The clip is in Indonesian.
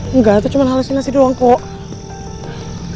enggak itu cuma halusinasi doang kok